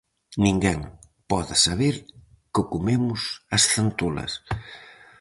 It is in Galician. Ninguén pode saber que comemos as centolas.